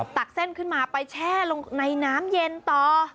ตักเส้นขึ้นมาไปแช่ลงในน้ำเย็นต่อ